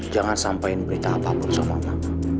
jangan sampaikan berita apapun sama mama